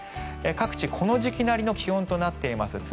各地、この時期なりの気温となっています。